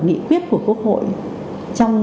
nghị quyết của quốc hội trong